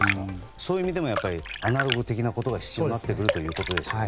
そういう意味でもアナログ的なことが必要になってくるということですよね。